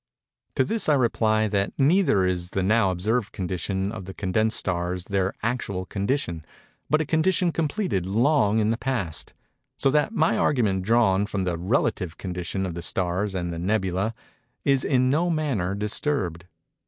To this I reply that neither is the now observed condition of the condensed stars their actual condition, but a condition completed long in the Past; so that my argument drawn from the relative condition of the stars and the "nebulæ," is in no manner disturbed.